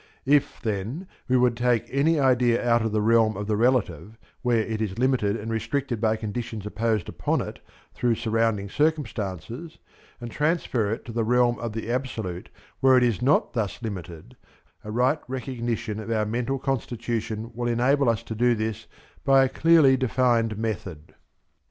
If then, we would take any idea out of the realm of the relative, where it is limited and restricted by conditions imposed upon it through surrounding circumstances, and transfer it to the realm of the absolute where it is not thus limited, a right recognition of our mental constitution will enable us to do this by a clearly defined method.